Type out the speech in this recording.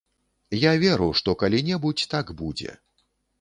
Я веру, што калі-небудзь так будзе.